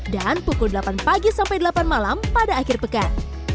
dan pukul delapan pagi sampai delapan malam pada akhir pekan